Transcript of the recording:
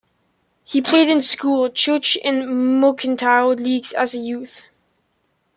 He played in school, church and mercantile leagues as a youth.